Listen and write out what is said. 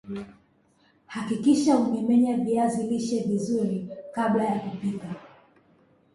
hakikisha umemenya viazi lishe vizuri kabla ya kupika